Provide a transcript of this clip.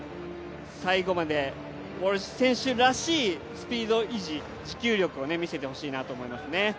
最後まで、ウォルシュ選手らしいスピード維持持久力を見せてほしいなと思います。